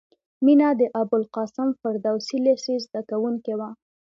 مینه د ابوالقاسم فردوسي لېسې زدکوونکې وه